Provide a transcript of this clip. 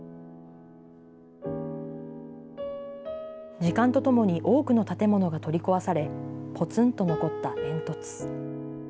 時間とともに多くの建物が取り壊され、ぽつんと残った煙突。